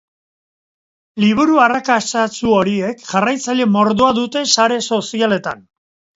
Liburu arrakastatsu horiek jarraitzaile mordoa dute sare sozialetan.